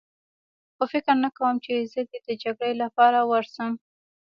خو فکر نه کوم چې زه دې د جګړې لپاره ورشم.